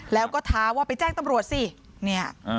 แล้วก็ท้าว่าไปแจ้งตำรวจสิเนี่ย